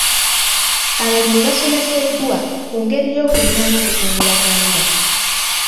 Abalimi baasomeseddwa ku ngeri y'okulima n'okukungula vanilla.